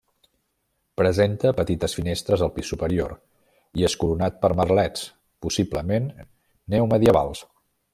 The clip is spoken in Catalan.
Presenta petites finestres al pis superior i és coronat per merlets, possiblement neomedievals.